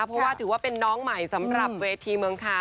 เพราะว่าถือว่าเป็นน้องใหม่สำหรับเวทีเมืองคา